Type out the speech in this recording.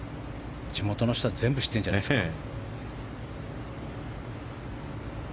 地元の人は全部知ってるんじゃないですか。